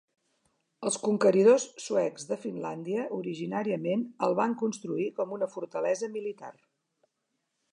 Els conqueridors suecs de Finlàndia originàriament el van construir com una fortalesa militar.